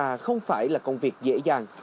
mà không phải là công việc dễ dàng